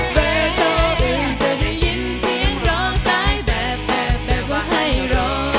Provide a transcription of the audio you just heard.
เบโทอื่นจะได้ยินเสียงร้องสายแบบแบบแบบว่าให้รอ